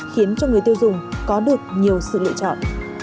khiến cho người tiêu dùng có được nhiều sự lựa chọn